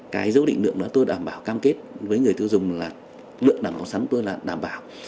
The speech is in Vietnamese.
cái dấu định lượng đó tôi đảm bảo cam kết với người tiêu dùng là lượng đảm bảo sắn tôi là đảm bảo